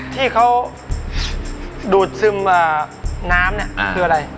ที่เขาดูดซึมน้ำคืออะไร